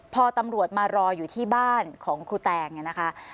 พอตำรวจมารออยู่ที่บ้านของครูแตงเนี่ยนะคะ